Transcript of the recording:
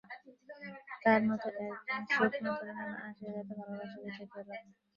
তাঁর মতো একজন শুকনো ধরনের মানুষের হৃদয়ে এত ভালবাসা কোত্থেকে এলো?